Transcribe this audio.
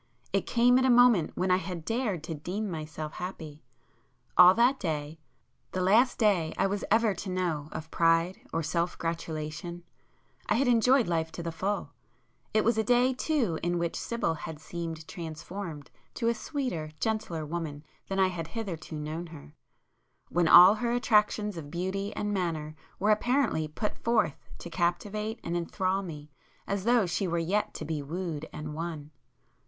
—it came at a moment when I had dared to deem myself happy. All that day,—the last day I was ever to know of pride or self gratulation,—I had enjoyed life to the full; it was a day too in which Sibyl had seemed transformed to a sweeter, gentler woman than I had hitherto known her,—when all her attractions of beauty and manner were apparently put forth to captivate and enthrall me as though she were yet to be wooed and won.